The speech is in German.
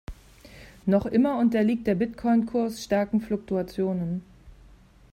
Noch immer unterliegt der Bitcoin-Kurs starken Fluktuationen.